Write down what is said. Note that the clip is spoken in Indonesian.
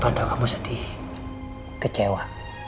papa tau kamu sedih kecewa